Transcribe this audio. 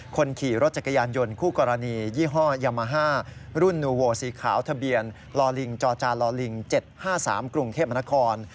คนขี่รถจักรยานยนต์คู่กรณียี่ห้อยามาฮ่ารุ่นนูโวสีขาวทะเบียนลอลิงจอจาลิง๗๕๓กรุงเทพมนคร